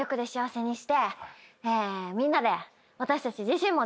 みんなで。